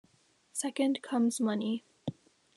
Second comes money.